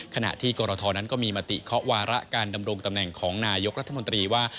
ขณะที่กรทนั้นก็มีมติเคาะวาระการดำรงตำแหน่งของนายกรัฐมนตรีว่า